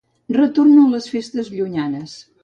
Retorno a les festes llunyanes.